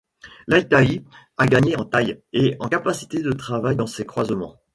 L’Altaï a gagné en taille et en capacité de travail dans ces croisements.